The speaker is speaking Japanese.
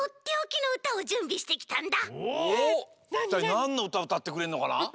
なんのうたうたってくれんのかな？